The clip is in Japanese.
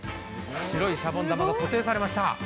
白いシャボン玉が固定されました。